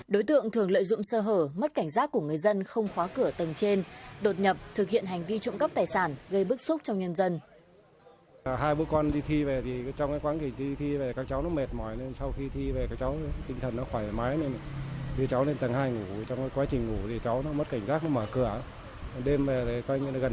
đối tượng thường lợi dụng sơ hở mất cảnh giác của người dân không khóa cửa tầng trên đột nhập thực hiện hành vi trộm cắp tài sản gây bức xúc cho nhân dân